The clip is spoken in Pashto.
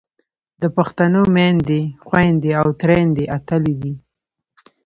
د پښتنو میندې، خویندې او تریندې اتلې دي.